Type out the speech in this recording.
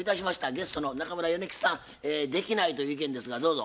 ゲストの中村米吉さんできないという意見ですがどうぞ。